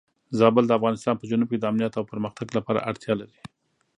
زابل د افغانستان په جنوب کې د امنیت او پرمختګ لپاره اړتیا لري.